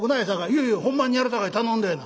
「いやいやほんまにやるさかい頼んでえな」。